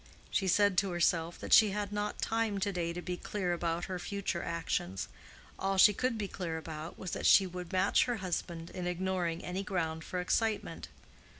She said to herself that she had not time to day to be clear about her future actions; all she could be clear about was that she would match her husband in ignoring any ground for excitement.